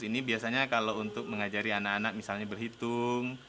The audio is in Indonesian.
ini biasanya kalau untuk mengajari anak anak misalnya berhitung